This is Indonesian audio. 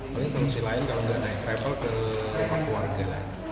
paling solusi lain kalau nggak naik travel ke rumah keluarga lah